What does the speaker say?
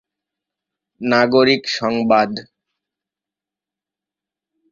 নাগরিক সংবাদ